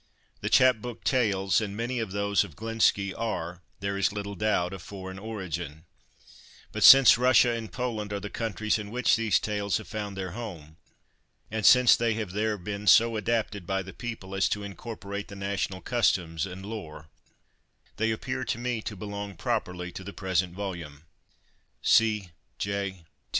The chap book tales, and many of those of Glinski, are, there is little doubt, of foreign origin, but since Russia and Poland are the countries in which these tales have found their home, and since they have there been so adapted by the people as to incorporate the national customs and lore, they appear to me to belong properly to the present volume. C. J.